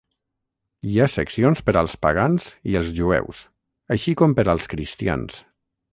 Hi ha seccions per als pagans i els jueus, així com per als cristians.